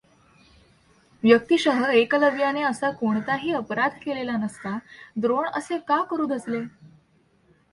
व्यक्तिशः एकलव्याने असा कोणताही अपराध केलेला नसता द्रोण असे का करू धजले?